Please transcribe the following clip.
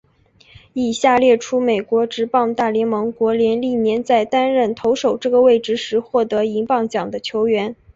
以下列出美国职棒大联盟国联历年在担任投手这个位置时获得银棒奖的球员。